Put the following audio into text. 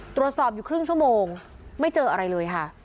ตรวจสอบอยู่ครึ่งชั่วโมงไม่เจออะไรเลยค่ะ